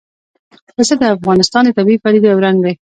پسه د افغانستان د طبیعي پدیدو یو رنګ دی.